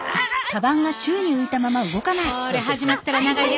これ始まったら長いで。